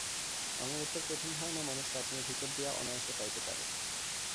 অমরত্বের প্রথম ধারণা মানুষ স্বপ্নের ভিতর দিয়া অনায়াসে পাইতে পারে।